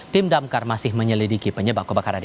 tim damkar masih menyelidiki penyebab kebakaran ini